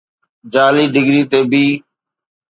جعلي ڊگري تي بي